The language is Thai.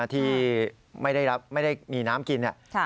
ที่ไม่ได้รับไม่ได้มีน้ำกิน